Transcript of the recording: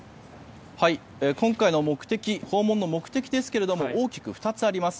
今回の訪問の目的ですが大きく２つあります。